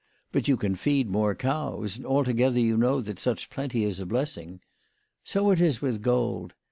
But you can feed more cows, and altogether you know that such plenty is a blessing. So it is with gold.